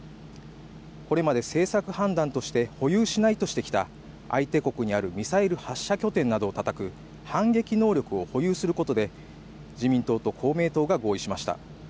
これまで政策判断として保有しないとしてきた相手国にあるミサイル発射拠点などをたたく反撃能力を保有することで自民党と公明党が合意しました。